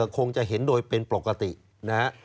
คงจะเห็นโดยเป็นปกตินะฮะ